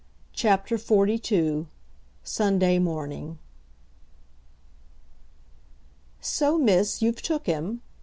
CHAPTER XLII Sunday Morning "So, miss, you've took him?"